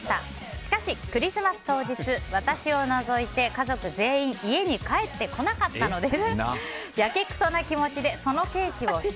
しかし、クリスマス当日私を除いて家族全員家に帰ってこなかったのです。